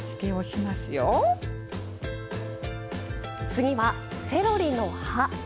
次は「セロリの葉」。